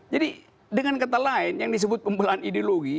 jadi dengan kata lain yang disebut pembelahan ideologi